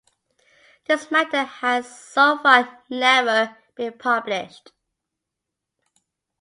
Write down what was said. This matter has so far never been published.